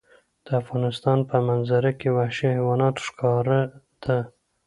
د افغانستان په منظره کې وحشي حیوانات ښکاره ده.